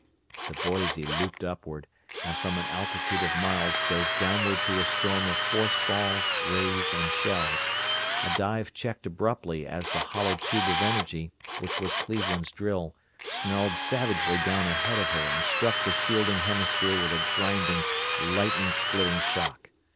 The Boise looped upward, and from an altitude of miles dove downward through a storm of force balls, rays, and shells; a dive checked abruptly as the hollow tube of energy, which was Cleveland's drill, snarled savagely down ahead of her and struck the shielding hemisphere with a grinding, lightning splitting shock.